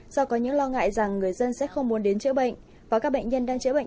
do có những lo ngại rằng người dân sẽ không muốn đến chữa bệnh